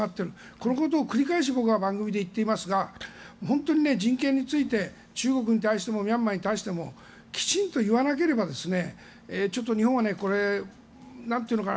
このことを僕は繰り返し番組で言っていますが本当に人権について中国に対してもミャンマーに対してもきちんと言わなければちょっと日本はこれなんというのかな